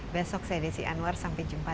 besok saya desi anwar sampai jumpa